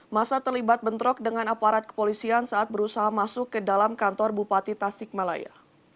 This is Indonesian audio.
masa terlibat bentrok dengan aparat kepolisian saat berusaha masuk ke dalam kantor bupati tasikmalaya